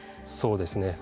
そうですね